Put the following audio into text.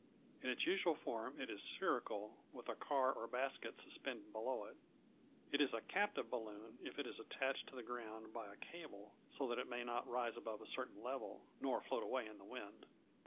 In its usual form it is spherical, with a car or basket suspended below it. It is a captive balloon if it is attached to the ground by a cable, so that it may not rise above a certain level, nor float away in the wind.